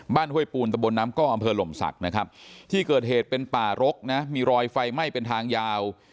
ห้วยปูนตะบนน้ำกล้องอำเภอหลมศักดิ์นะครับที่เกิดเหตุเป็นป่ารกนะมีรอยไฟไหม้เป็นทางยาว